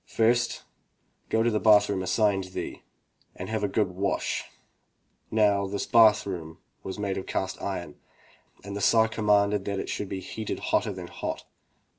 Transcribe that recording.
"First go to the bath room assigned thee, and have a good wash,'' he ordered. Now this bath room was made of cast iron, and the Tsar commanded that it should be heated hotter than hot.